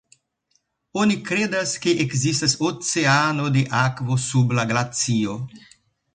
Oni kredas ke ekzistas oceano de akvo sub la glacio.